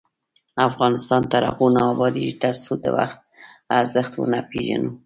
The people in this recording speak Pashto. افغانستان تر هغو نه ابادیږي، ترڅو د وخت ارزښت ونه پیژنو.